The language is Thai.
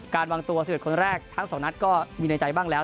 วางตัว๑๑คนแรกทั้ง๒นัดก็มีในใจบ้างแล้ว